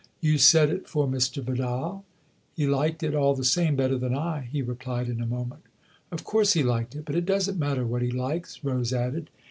"You said it for Mr. Vidal? He liked it, all the same, better than I," he replied in a moment. " Of course he liked it ! But it doesn't matter 2i8 THE OTHER HOUSE what he likes/' Rose added.